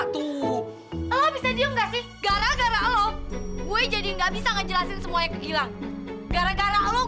tuh bisa diam kasih gara gara lo gue jadi nggak bisa ngejelasin semuanya ke hilang gara gara lo